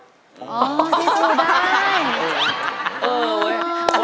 อ๋อที่สุดได้